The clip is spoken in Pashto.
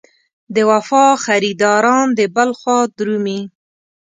د وفا خریداران دې بل خوا درومي.